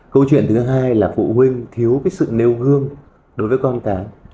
câu chuyện thứ hai là phụ huynh thiếu sự nêu gương đối với con cái